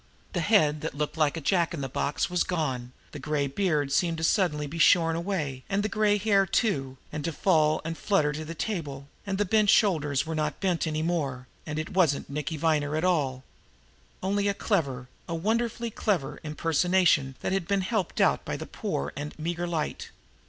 That head that looked like a jack in the box was gone; the gray beard seemed suddenly to be shorn away, and the gray hair too, and to fall and flutter to the table, and the bent shoulders were not bent any more, and it wasn't Nicky Viner at all only a clever, a wonderfully clever, impersonation that had been helped out by the poor and meager light.